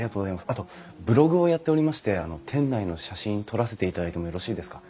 あとブログをやっておりまして店内の写真撮らせていただいてもよろしいですか？